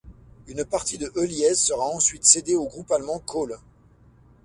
Une partie de Heuliez sera ensuite cédée au groupe allemand Kholl.